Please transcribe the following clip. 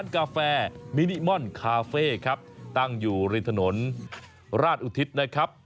กาแฟมินิมอนคาเฟ่ครับตั้งอยู่ริมถนนราชอุทิศนะครับ